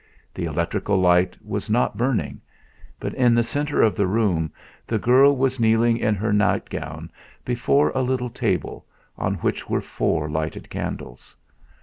The electric light was not burning; but, in the centre of the room the girl was kneeling in her nightgown before a little table on which were four lighted candles.